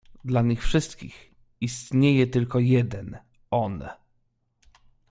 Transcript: "Dla nich wszystkich istnieje tylko jeden „on“."